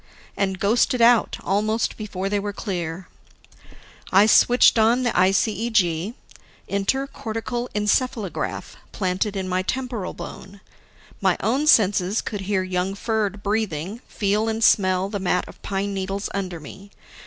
and ghosted out almost before they were clear. I switched on the ICEG inter cortical encephalograph planted in my temporal bone. My own senses could hear young Ferd breathing, feel and smell the mat of pine needles under me.